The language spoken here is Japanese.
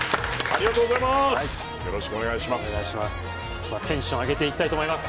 ありがとうございます。